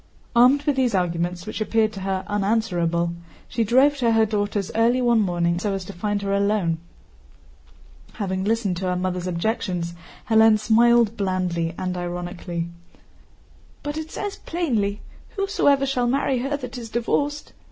Armed with these arguments, which appeared to her unanswerable, she drove to her daughter's early one morning so as to find her alone. Having listened to her mother's objections, Hélène smiled blandly and ironically. "But it says plainly: 'Whosoever shall marry her that is divorced...